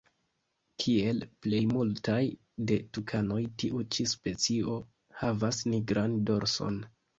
Kiel plej multaj de tukanoj tiu ĉi specio havas nigran dorson.